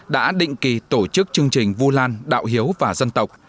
đã định kỳ tổ chức chương trình vu lan đạo hiếu và dân tộc